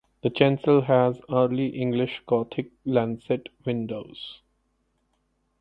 The chancel has Early English Gothic lancet windows.